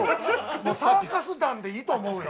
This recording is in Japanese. サーカス団でいいと思うよ。